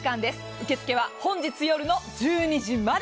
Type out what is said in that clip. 受け付けは本日夜の１２時まで。